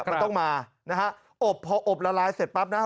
มันต้องมานะฮะอบพออบละลายเสร็จปั๊บนะฮะ